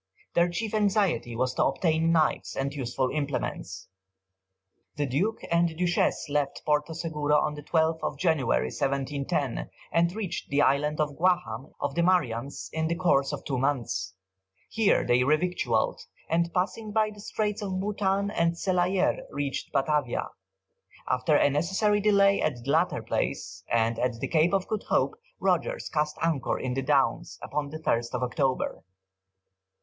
Their chief anxiety was to obtain knives and useful implements. The Duke and Duchess left Porto Segura on the 12th January, 1710, and reached the island of Guaham, of the Mariannes, in the course of two months. Here they revictualled, and passing by the Straits of Boutan and Saleyer, reached Batavia. After a necessary delay at the latter place, and at the Cape of Good Hope, Rogers cast anchor in the Downs upon the 1st of October.